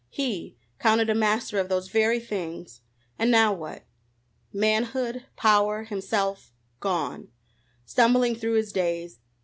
He counted a master of those very things! And now, what? Manhood, power, himself gone. Stumbling through his days!